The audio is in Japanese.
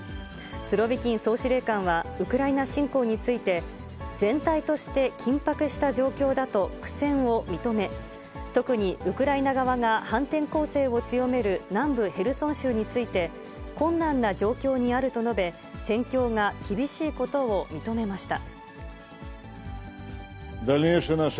スロビキン総司令官は、ウクライナ侵攻について、全体として緊迫した状況だと苦戦を認め、特にウクライナ側が反転攻勢を強める南部ヘルソン州について、困難な状況にあると述べ、戦況が厳しいことを認めました。